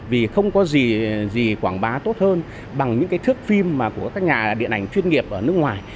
vì không có gì gì quảng bá tốt hơn bằng những cái thước phim của các nhà điện ảnh chuyên nghiệp ở nước ngoài